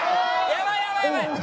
やばいやばいやばい。